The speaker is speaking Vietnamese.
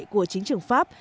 của chính trưởng pháp